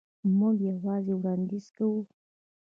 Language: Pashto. موږ یوازې وړاندیز کوو.